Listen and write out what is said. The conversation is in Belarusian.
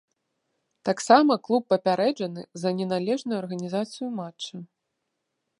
Таксама клуб папярэджаны за неналежную арганізацыю матча.